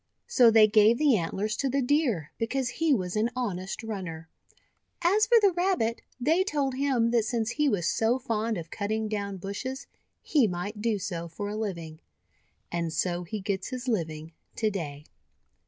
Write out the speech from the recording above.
So they gave the antlers to the Deer because he was an honest runner. As for the Rabbit, they told him that since he was so fond of cutting down bushes, he might do so for a living — and so he gets his living to day.